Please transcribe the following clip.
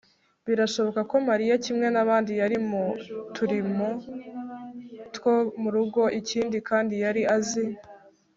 birashoboka ko mariya kimwe n'abandi yari mu turimo two mu rugo. ikindi kandi yari azi